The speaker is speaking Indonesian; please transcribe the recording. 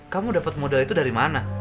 kamu dapat modal itu dari mana